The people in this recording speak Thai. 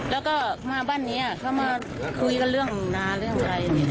แล้วก็มาบ้านนี้เขามาคุยกันเรื่องนาเรื่องอะไร